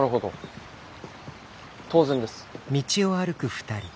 当然です。